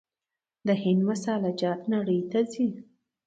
د هند مساله جات نړۍ ته ځي.